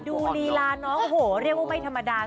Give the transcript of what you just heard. ดูรีลาน้องโหแรงว่าไม่ธรรมดา